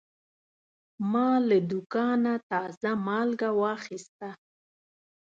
ما له دوکانه تازه مالګه واخیسته.